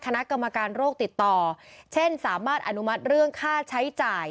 คณะกรรมการโรคติดต่อเช่นสามารถอนุมัติเรื่องค่าใช้จ่าย